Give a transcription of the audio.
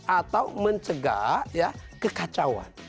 atau mencegah ya kekacauan